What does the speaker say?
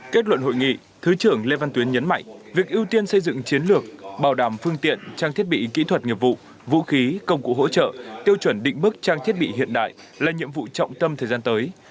kết luận hội nghị thứ trưởng lê văn tuyến nhấn mạnh việc ưu tiên xây dựng chiến lược bảo đảm phương tiện trang thiết bị kỹ thuật nghiệp vụ vũ khí công cụ hỗ trợ tiêu chuẩn định bức trang thiết bị hiện đại là nhiệm vụ trọng tâm thời gian tới